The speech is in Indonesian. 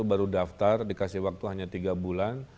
baru daftar dikasih waktu hanya tiga bulan